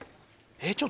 えっ！